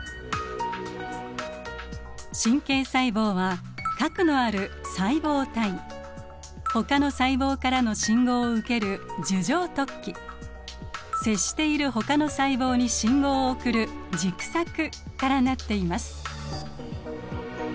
神経細胞は核のある細胞体ほかの細胞からの信号を受ける樹状突起接しているほかの細胞に信号を送る軸索から成っています。